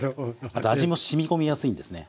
あと味もしみ込みやすいんですね。